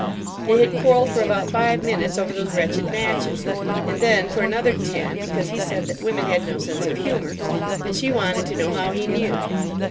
They had quarrelled for about five minutes over those wretched matches, and then for another ten because he said that women had no sense of humour, and she wanted to know how he knew.